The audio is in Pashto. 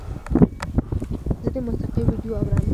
زه د موسیقۍ ویډیو اورم.